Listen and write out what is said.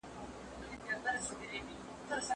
لمر د ځمکې لپاره ډېر مهم دی.